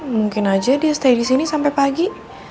mungkin aja dia stay di sini sampai pagi